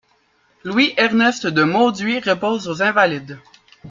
Louis Ernest de Maud'huy repose aux Invalides.